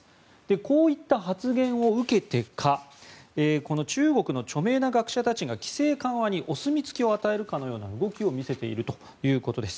こういった発言を受けてかこの中国の著名な学者たちが規制緩和にお墨付きを与えるかのような動きを見せているということです。